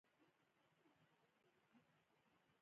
بشري مسلکي او حرفوي نیرو نه لري.